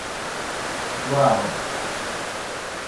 The translation in English of the Latin expression has varied somewhat.